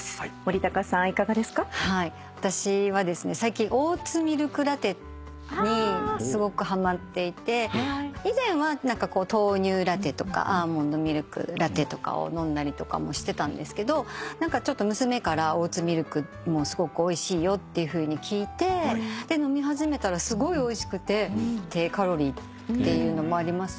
私はですね最近オーツミルクラテにすごくハマっていて以前は豆乳ラテとかアーモンドミルクラテとかを飲んだりとかもしてたんですけど何かちょっと娘から「オーツミルクもすごくおいしいよ」っていうふうに聞いて飲み始めたらすごいおいしくて低カロリーっていうのもありますし